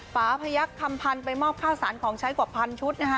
ป่าพยักษ์คำพันธ์ไปมอบข้าวสารของใช้กว่าพันชุดนะคะ